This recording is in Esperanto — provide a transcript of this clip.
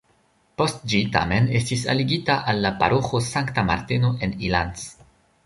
Post ĝi tamen estis aligita al la paroĥo Sankta Marteno en Ilanz.